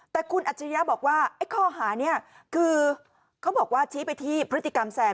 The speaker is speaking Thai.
แต่คุณอัจฉริยะบอกว่าไอ้ข้อหานี้คือเขาบอกว่าชี้ไปที่พฤติกรรมแซน